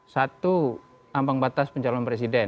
satu ambang batas pencalon presiden